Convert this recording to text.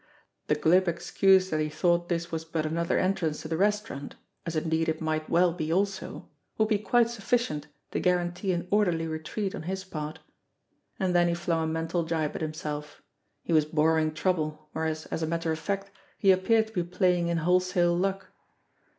The glib excuse that he thought this was but another entrance to the restaurant, as indeed it might well be also, would be quite sufficient to guarantee an orderly retreat on his part. And then he flung a mental gibe at himself. He was borrowing trouble, whereas, as a matter of fact, he appeared to be play ing in wholesale luck.